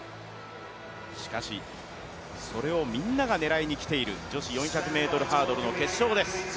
しかし、それをみんなが狙いにきている女子４００ｍハードルの決勝です。